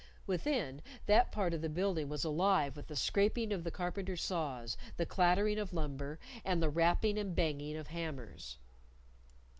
Within, that part of the building was alive with the scraping of the carpenters' saws, the clattering of lumber, and the rapping and banging of hammers.